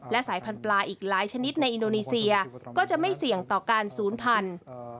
และสายพันธุปลาอีกหลายชนิดในอินโดนีเซียก็จะไม่เสี่ยงต่อการศูนย์พันธุ์